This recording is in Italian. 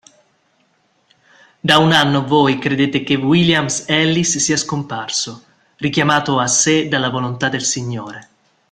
Da un anno voi credete che William Ellis sia scomparso, richiamato a sé dalla volontà del Signore.